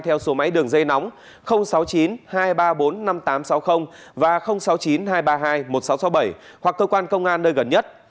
theo số máy đường dây nóng sáu mươi chín hai trăm ba mươi bốn năm nghìn tám trăm sáu mươi và sáu mươi chín hai trăm ba mươi hai một nghìn sáu trăm sáu mươi bảy hoặc cơ quan công an nơi gần nhất